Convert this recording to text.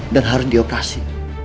dan harus dioperasi